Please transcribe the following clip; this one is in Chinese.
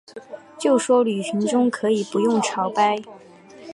就说旅行中可以不用朝拜